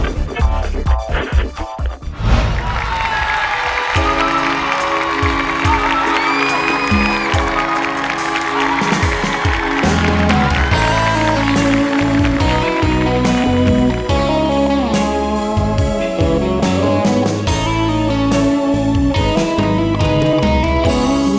สวัสดีครับ